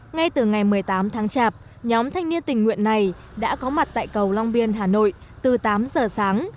ngay từ ngày một mươi tám tháng chạp nhóm thanh niên tình nguyện này đã có mặt tại cầu long biên hà nội từ tám giờ sáng